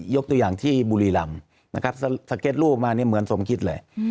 ยกตัวอย่างที่บุรีลำสเก็ตรูปมาเหมือนสมคิดเลย